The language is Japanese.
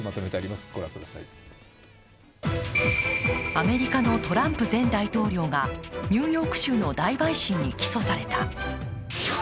アメリカのトランプ前大統領がニューヨーク州の大陪審に起訴された。